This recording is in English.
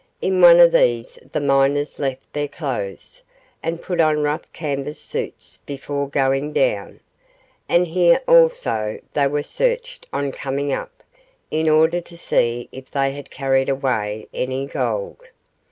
In one of these the miners left their clothes, and put on rough canvas suits before going down, and here also they were searched on coming up in order to see if they had carried away any gold.